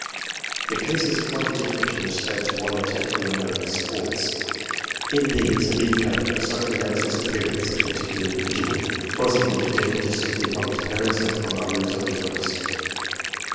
^The case is quite different in respect to what are tech nically known as " sports." In these, a new character suddenly makes its appearance *in a particular individual, causing him to differ distinctly from his parents and from others of his race.